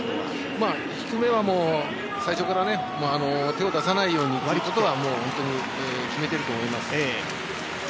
低めは最初から手を出さないようにということは決めていると思います。